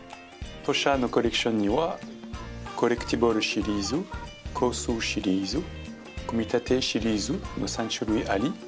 当社のコレクションにはコレクティブルシリーズコースシリーズ組立シリーズの３種類あり